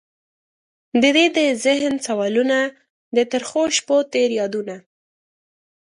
ددې د ذهن سوالونه، د ترخوشپوتیر یادونه